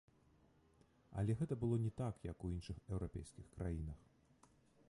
Але гэта было не так, як у іншых еўрапейскіх краінах.